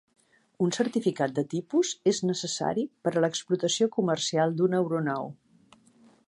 Un certificat de tipus és necessari per a l'explotació comercial d'una aeronau.